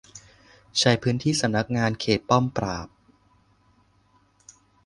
ใช้พื้นที่สำนักงานเขตป้อมปราบ